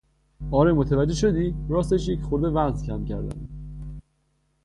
آره متوجه شدی؟ راستش یک خورده وزن کم کردهام.